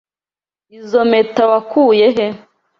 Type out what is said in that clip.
Izoi mpeta wakuye he?